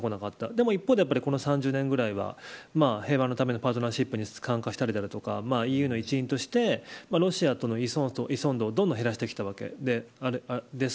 しかし一方で３０年ぐらいは平和のためのパートナーシップに参加したりＥＵの一員として、ロシアへの依存度をどんどん減らしてきたわけです。